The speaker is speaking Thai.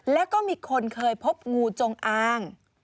แล้วก็มีคนเคยพบงูจงอาง